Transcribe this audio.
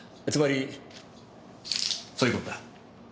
つまりそういう事だ。